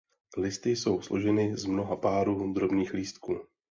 Listy jsou složeny z mnoha párů drobných lístků.